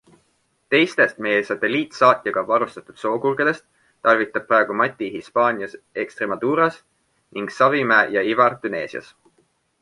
Teistest meie satelliitsaatjaga varustatud sookurgedest talvitab praegu Mati Hispaanias Extremaduras ning Savimäe ja Ivar Tuneesias.